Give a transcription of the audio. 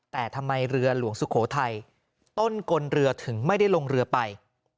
แต่ทำไมเรือหลวงสุโขทัยต้นกลเรือถึงไม่ได้ลงเรือไป